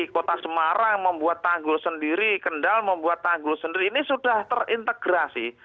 kota semarang membuat tanggul sendiri kendal membuat tanggul sendiri ini sudah terintegrasi